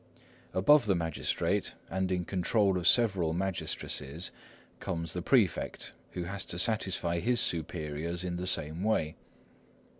Above the magistrate, and in control of several magistracies, comes the prefect, who has to satisfy his superiors in the same way.